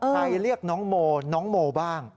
เรียกน้องโมน้องโมบ้าง